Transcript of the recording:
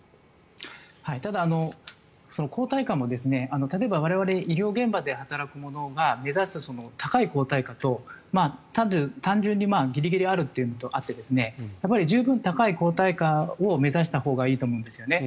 ただ、抗体価も例えば我々医療現場で働く者が目指す高い抗体価と単純にギリギリあるというのとあって十分高い抗体価を目指したほうがいいと思うんですよね。